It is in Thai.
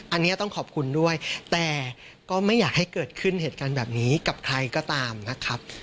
อันนี้ต้องขอบคุณด้วยแต่ก็ไม่อยากให้เกิดขึ้นเหตุการณ์แบบนี้กับใครก็ตามนะครับ